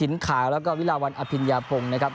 แล้วก็วิราวรรณอภิญญาพงศ์นะครับ